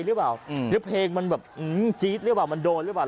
หรือเปล่าหรือเพลงมันแบบจี๊ดหรือเปล่ามันโดนหรือเปล่า